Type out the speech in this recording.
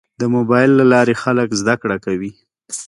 د موبایل له لارې خلک زده کړه کوي.